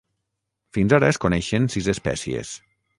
Fins ara es coneixen sis espècies.